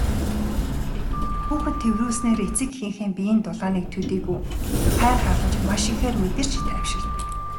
Хүүхэд тэврүүлснээр эцэг эхийнхээ биеийн дулааныг төдийгүй хайр халамжийг маш ихээр мэдэрч тайвширдаг.